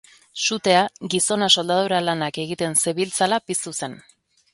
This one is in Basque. Sutea, gizona soldadura lanak egiten zebiltzala piztu zen.